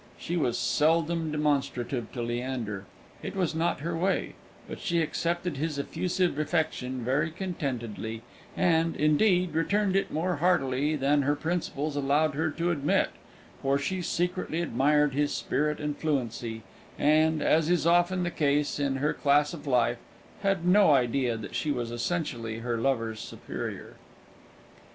She was seldom demonstrative to Leander it was not her way but she accepted his effusive affection very contentedly, and, indeed, returned it more heartily than her principles allowed her to admit; for she secretly admired his spirit and fluency, and, as is often the case in her class of life, had no idea that she was essentially her lover's superior.